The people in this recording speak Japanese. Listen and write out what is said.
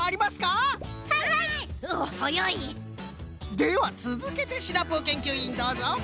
ではつづけてシナプーけんきゅういんどうぞ！